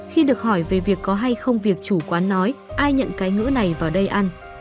khi được hỏi về việc có hay không việc chủ quán nói ai nhận cái ngữ này vào đây ăn